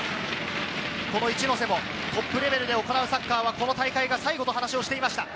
市瀬もトップレベルで行うサッカーはこの大会が最後と話をしていました。